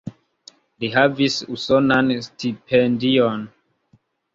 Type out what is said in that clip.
Li havis usonan stipendion.